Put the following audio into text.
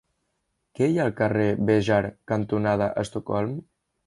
Què hi ha al carrer Béjar cantonada Estocolm?